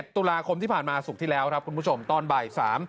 ตุลาคมที่ผ่านมาศุกร์ที่แล้วครับคุณผู้ชมตอนบ่าย๓